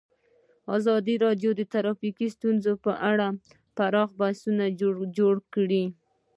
ازادي راډیو د ټرافیکي ستونزې په اړه پراخ بحثونه جوړ کړي.